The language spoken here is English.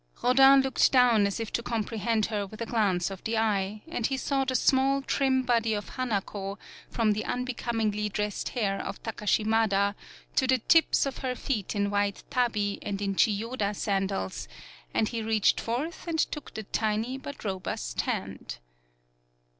Rodin looked down as if to comprehend her with a glance of the eye, and he saw the small, trim body of Hanako from the unbecomingly dressed hair of Taka shimada, to the tips of her feet in white Tabi and in Chiyoda sandals, and he reached forth and took the tiny but ro bust hand.